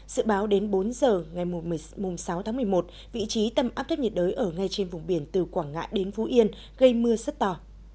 dự báo đến bốn giờ ngày sáu tháng một mươi một vị trí tâm áp thấp nhiệt đới ở ngay trên vùng biển từ quảng ngãi đến phú yên gây mưa rất to